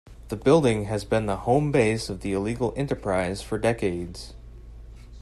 The building has been the home base of the illegal enterprise for decades.